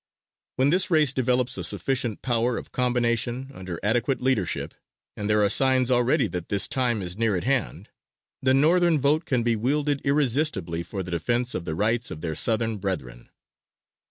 When this race develops a sufficient power of combination, under adequate leadership, and there are signs already that this time is near at hand, the Northern vote can be wielded irresistibly for the defense of the rights of their Southern brethren.